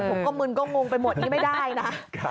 ผมก็มึนก็งงไปหมดนี้ไม่ได้นะ